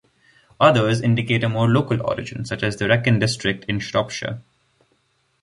Others indicate a more local origin, such as the Wrekin district in Shropshire.